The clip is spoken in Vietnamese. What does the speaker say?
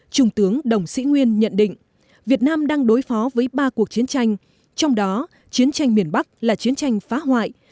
trung tướng đồng sĩ nguyên nhận định việt nam đang đối phó với ba cuộc chiến tranh trong đó chiến tranh miền bắc là chiến tranh phá hoại